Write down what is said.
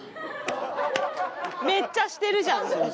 めっちゃしてるじゃんみたいな。